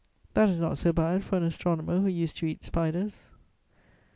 That is not so bad for an astronomer who used to eat spiders.